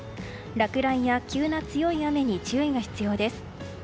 落雷や急な強い雨に注意が必要です。